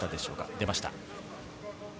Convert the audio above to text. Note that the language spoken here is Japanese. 出ました。